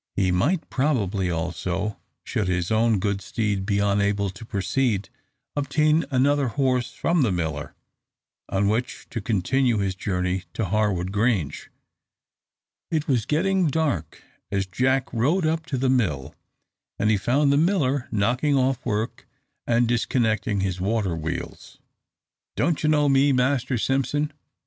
He might probably also, should his own good steed be unable to proceed, obtain another horse from the miller, on which to continue his journey to Harwood Grange. It was getting dark as Jack rode up to the mill, and he found the miller knocking off work and disconnecting his water wheels. "Don't you know me, Master Simpson?"